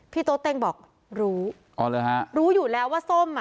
โต๊เต้งบอกรู้อ๋อเลยฮะรู้อยู่แล้วว่าส้มอ่ะ